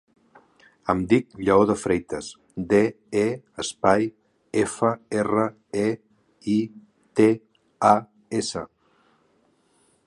Em dic Lleó De Freitas: de, e, espai, efa, erra, e, i, te, a, essa.